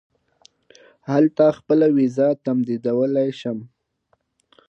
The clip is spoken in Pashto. هلته خپله وېزه تمدیدولای شم.